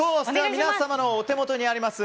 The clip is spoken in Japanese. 皆様のお手元にあります